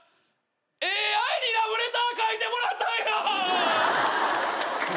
ＡＩにラブレター書いてもらったんや！